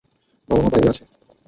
বাবা-মা বাইরে আছে।